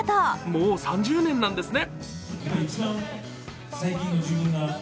もう３０年なんですね。